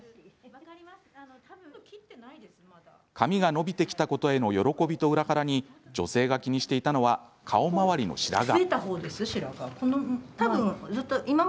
髪が伸びてきたことへの喜びと裏腹に女性が気にしていたのは顔周りの白髪。